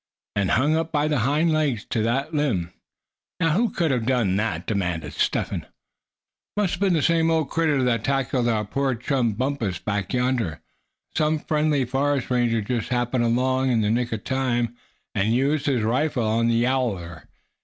"And hung up by the hind legs to that limb; now who could have done that?" demanded Step Hen. "Must have been the same old critter that tackled our poor chum, Bumpus, back yonder. Some friendly forest ranger just happened along in the nick of time, and used his rifle on the yowler.